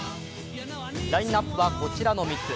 ラインナップは、こちらの３つ。